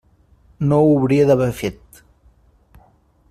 No ho hauria d'haver fet.